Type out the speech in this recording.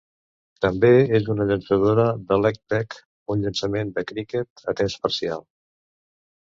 També és una llançadora de leg-break, un llançament de criquet, a temps parcial.